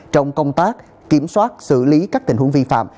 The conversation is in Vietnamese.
trong công tác kiểm soát xử lý các tình huống vi phạm